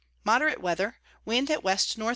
Moderate Weather, Wind at W N W.